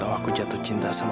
bakal saya jatuh cinta sama rizky